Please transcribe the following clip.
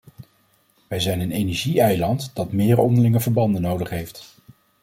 Wij zijn een energie-eiland dat meer onderlinge verbanden nodig heeft.